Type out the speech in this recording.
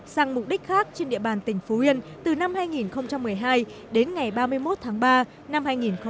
sang mục đích khác trên địa bàn tỉnh phú yên từ năm hai nghìn một mươi hai đến ngày ba mươi một tháng ba năm hai nghìn một mươi tám